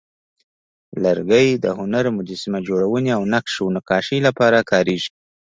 لرګی د هنر، مجسمه جوړونې، او نقش و نقاشۍ لپاره کارېږي.